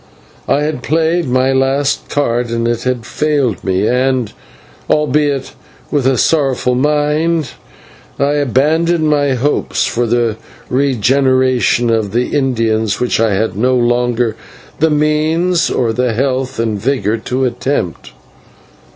I had played my last card and it had failed me, and, albeit with a sorrowful mind, I abandoned my hopes for the regeneration of the Indians which I had no longer the means or the health and vigour to attempt.